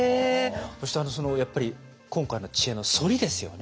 そしてやっぱり今回の知恵の反りですよね。